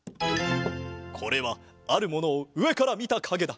これはあるものをうえからみたかげだ。